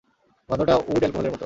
গন্ধটা উড অ্যালকোহলের মতো।